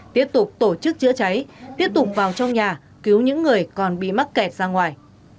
tiếp tục tổ chức chữa cháy tiếp tục vào trong nhà cứu những người còn bị mắc kẹt ra ngoài